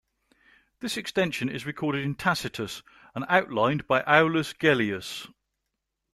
This extension is recorded in Tacitus and outlined by Aulus Gellius.